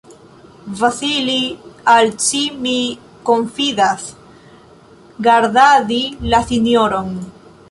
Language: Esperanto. Vasili, al ci mi konfidas gardadi la sinjoron.